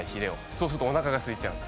そうするとおなかがすいちゃう。